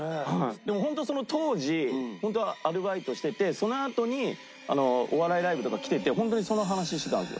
でも本当に当時アルバイトしててそのあとにお笑いライブとか来てて本当にその話してたんですよ。